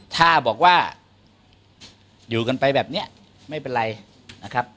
ถ้าบอกว่าอยู่กันไปแบบนี้ไม่เป็นไรนะครับ